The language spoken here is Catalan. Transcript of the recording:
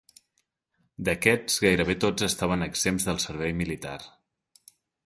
D'aquests gairebé tots estaven exempts del servei militar.